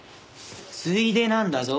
ついでなんだぞ。